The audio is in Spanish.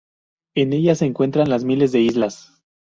En ella se encuentran las Miles de Islas.